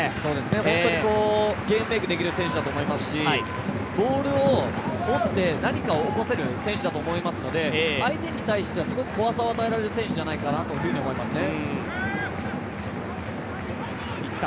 本当にゲームメークできる選手だと思いますしボールを持って、何かを起こせる選手だと思いますので相手に対してはすごく怖さを与えられる選手ではないかと思いますね。